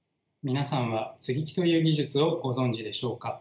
皆さんは接ぎ木という技術をご存じでしょうか？